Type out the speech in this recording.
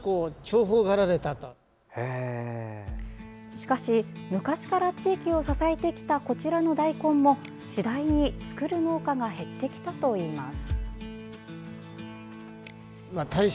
しかし昔から地域を支えてきたこちらの大根も次第に、作る農家が減ってきたといいます。